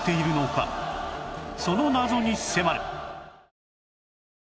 その謎に迫る！